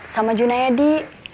sama juna yadi